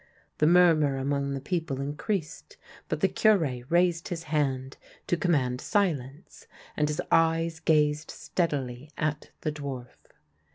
The murmur among the people increased, but the Cure raised his hand to com mand silence, and his eyes gazed steadily at the dwarf.